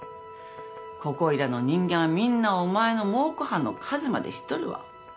ここいらの人間はみんなお前の蒙古斑の数まで知っとるわ。